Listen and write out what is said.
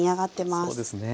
そうですね。